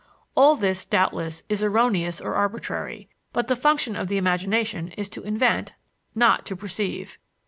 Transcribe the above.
All this, doubtless, is erroneous or arbitrary; but the function of the imagination is to invent, not to perceive.